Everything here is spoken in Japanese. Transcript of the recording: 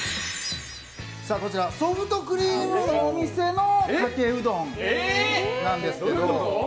ソフトクリームのお店のかけうどんなんですけど。